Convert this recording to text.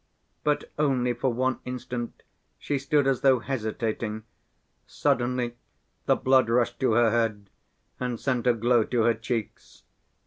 But only for one instant she stood as though hesitating; suddenly the blood rushed to her head and sent a glow to her cheeks.